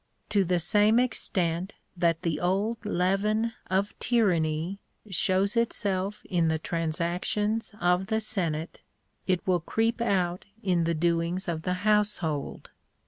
To the same extent that the old leaven of tyranny shows itself in the trans actions of the senate, it will creep out in the doings of the household.